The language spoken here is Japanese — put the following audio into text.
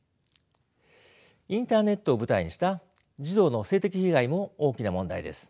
インターネットを舞台にした児童の性的被害も大きな問題です。